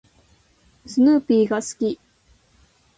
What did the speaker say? スヌーピーが好き。